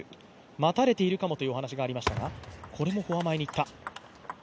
待たれているかもというお話がありましたが、これもフォア前にいった。